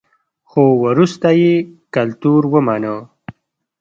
خو وروسته یې کلتور ومانه